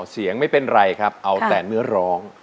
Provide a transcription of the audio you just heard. เสียงไม่เป็นไรครับเอาแต่เนื้อร้อง